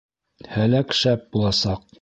— Һәләк шәп буласаҡ!